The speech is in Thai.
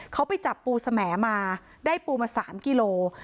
เขาไปจับปูแสมมาได้ปูมา๓กิโล